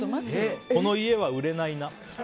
この家は売れないな。